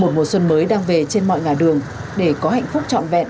một mùa xuân mới đang về trên mọi ngã đường để có hạnh phúc trọn vẹn